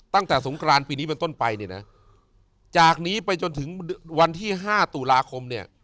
ตั้งแต่สงกรานปีนี้เป็นต้นไปเนี่ยนะจากนี้ไปจนถึงวันที่ห้าตุลาคมเนี่ย